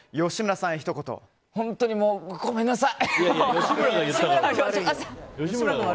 本当にもう、ごめんなさい。